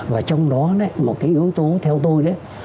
và trong đó đấy một cái yếu tố theo tôi đấy